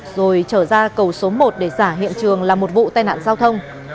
rồi trở ra cầu số một để giả hiện trường là một vụ tai nạn giao thông